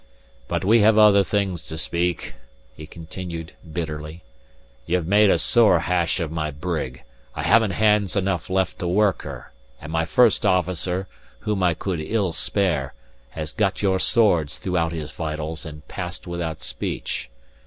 "But we have other things to speak," he continued, bitterly. "Ye've made a sore hash of my brig; I haven't hands enough left to work her; and my first officer (whom I could ill spare) has got your sword throughout his vitals, and passed without speech.